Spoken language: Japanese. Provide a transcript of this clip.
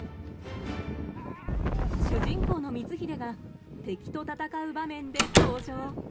主人公の光秀が敵と戦う場面で登場。